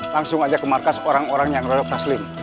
langsung aja ke markas orang orang yang roda taslim